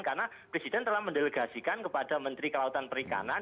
karena presiden telah mendelegasikan kepada menteri kelautan perikanan